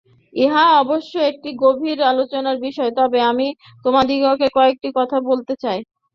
ইহা অবশ্য একটি দীর্ঘ আলোচনার বিষয়, তবে আমি তোমাদিগকে কয়েকটি কথা বলিতে চাই।